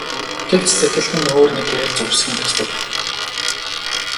Гэвч сэтгэлд минь өөр нэг гэрэл зурсхийн тусдаг байна.